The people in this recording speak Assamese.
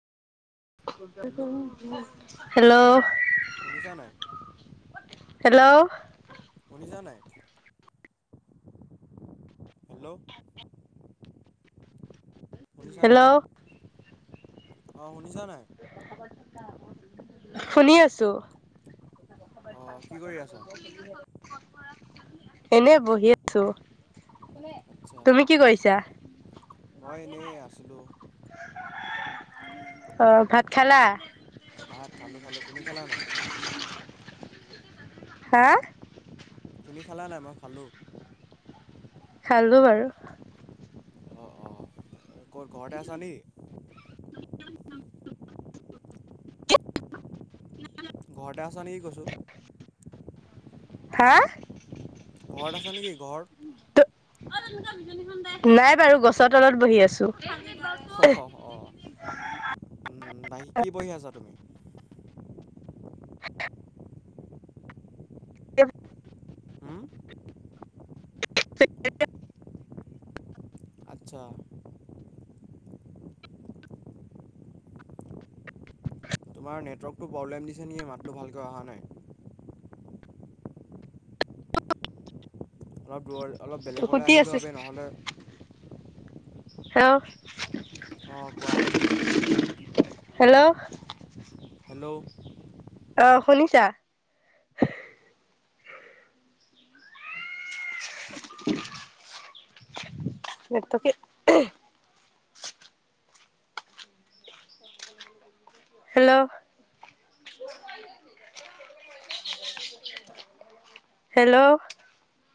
হেল্ল' হেল্ল', শুনিছা নাই হেল্ল', শুনা নাই, হেল্ল', শুনিছা নাই? হেল্ল' অ', শুন শুনি আছোঁ? অঁ কি কৰি আছা [unintelligible] এনে বহি আছো আচ্ছা, তুমি কি কৰিছা মই এনেই আছিলো অ', ভাত খালা? ভাত খালো, খালো! তুমি খালা নে? হা', তুমি খালা নাই? মই খালো খালো বাৰু অঁ অঁ ক'ত ঘৰতে আছা নিকি? নহয়, নহয় ঘৰত আছা নিকি‌ কৈছো? হা', ঘৰত আছে নেকি ঘৰ অ', জোনুকা বিচনীখন‌ দে, ওলাই বাৰু গছৰ তলত বহি আছোঁ হ হ অ হ'ম বাকী কি পঢ়ি আছা তুমি? [unintelligible] ছেকেণ্ড ইয়াৰ‌ [unintelligible] আত্চ্ছা তোমাৰ নেটৱৰ্কটো প্ৰব্লেম দিছে নিকি মাতটো ভালকৈ অহা নাই। অলপ দূৰলৈ অলপ বেলেগলৈ সুতি আহিলেও আছো বাবে নহ'লে হেল্ল', অঁ কোৱা হেল্ল', হেল্ল', আহ শুনিছা? [inaudible] [unintelligible] হেল্ল'। হেল্ল'।